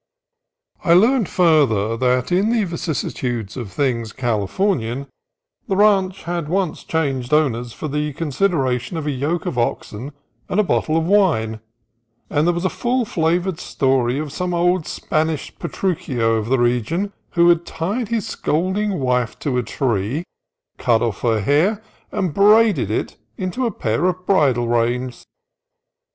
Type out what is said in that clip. I learned further that in the vicissitudes of things Californian the ranch had once changed owners for the consideration of a yoke of oxen and a bottle of wine ; and there was a full flavored story of some old Spanish Petruchio of the region who had tied his scolding wife to a tree, cut off her hair, and braided it into a pair of bridle reins.